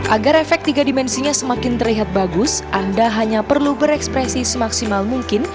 agar efek tiga dimensinya semakin terlihat bagus anda hanya perlu berekspresi semaksimal mungkin